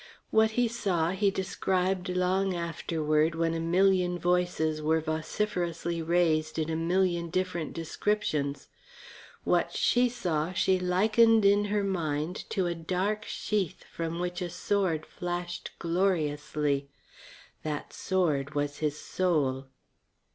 What he saw he described long afterward when a million voices were vociferously raised in a million different descriptions. What she saw she likened in her mind to a dark sheath from which a sword flashed gloriously. That sword was his soul.